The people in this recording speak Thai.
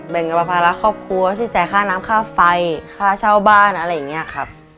กับภาระครอบครัวที่จ่ายค่าน้ำค่าไฟค่าเช่าบ้านอะไรอย่างนี้ครับ